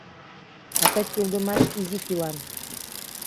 А тый кӱлдымаш изи кӱлан